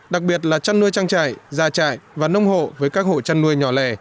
đặc biệt là chăn nuôi trang trại gia trại và nông hộ với các hộ chăn nuôi nhỏ lẻ